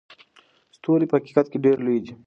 ستوري په حقیقت کې ډېر لوی دي.